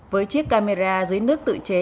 với chiếc camera dưới nước tự chế